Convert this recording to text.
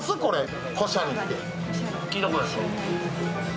これ。